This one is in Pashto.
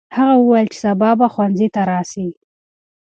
هغه وویل چې سبا به ښوونځي ته راسي.